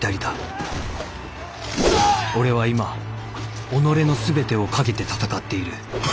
俺は今己の全てをかけて戦っている。